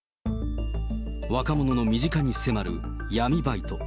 若者の身近に迫る闇バイト。